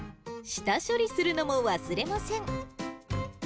下処理するのも忘れません。